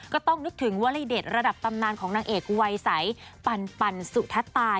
ก็ต้องนึกถึงวรรยาชินิดระดับตำนานของนางเอกวัยใสปันปันสุทธาตา